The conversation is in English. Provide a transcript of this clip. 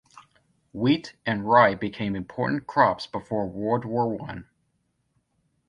Wheat and rye became important crops before World War One.